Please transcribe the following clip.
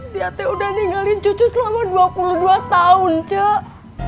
dia teh udah ninggalin cucu selama dua puluh dua tahun cok